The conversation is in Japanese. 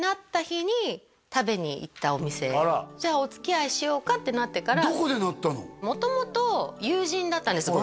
あらじゃあおつきあいしようかってなってから元々友人だったんですよ